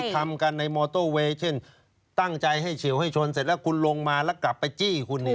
ทำกันในมอเตอร์เวย์เช่นตั้งใจให้เฉียวให้ชนเสร็จแล้วคุณลงมาแล้วกลับไปจี้คุณเนี่ย